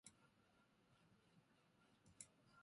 今日も疲れたな。でもまだまだいける。もっと頑張りたい。